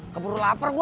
keburu lapar gue